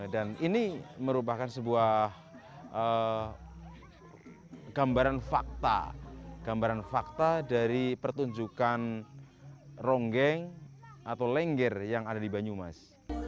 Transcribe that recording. dan ini merupakan sebuah gambaran fakta gambaran fakta dari pertunjukan ronggeng atau lengger yang ada di banyumas